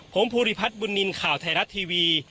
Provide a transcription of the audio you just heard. ผมภูริพัฒน์บุญนินทร์ข่าวไทยรัฐทีวี